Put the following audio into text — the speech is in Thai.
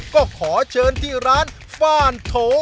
ก็ขอเชิญที่ร้านฟ่านโถ